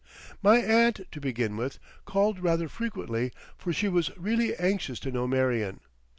My aunt, to begin with, called rather frequently, for she was really anxious to know Marion.